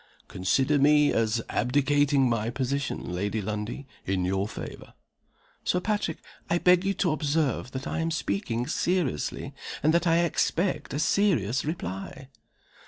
"Consider me as abdicating my position, Lady Lundie, in your favor." "Sir Patrick, I beg you to observe that I am speaking seriously, and that I expect a serious reply."